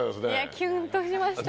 キュンとしました。